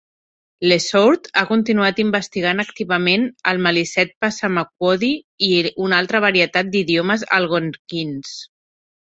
LeSourd ha continuat investigant activament el maliseet-passamaquoddy i una altra varietat d'idiomes algonquins.